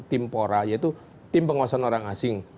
tim pora yaitu tim penguasaan orang asing